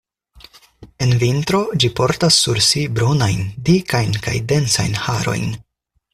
En vintro ĝi portas sur si brunajn, dikajn kaj densajn harojn.